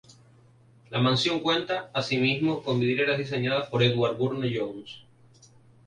La mansión cuenta, así mismo, con vidrieras diseñadas por Edward Burne-Jones.